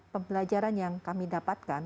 pembelajaran yang kami dapatkan